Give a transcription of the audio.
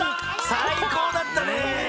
さいこうだったね。